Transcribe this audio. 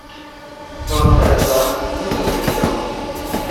Sonn- und feiertags ruht der Verkehr.